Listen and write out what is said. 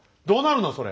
どうなるの？